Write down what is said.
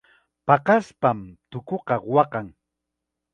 Paqaspam tukuqa waqan.